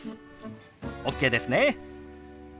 ＯＫですね。